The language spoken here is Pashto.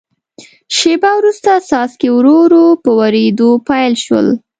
شیبه وروسته څاڅکي ورو ورو په ورېدو پیل شول.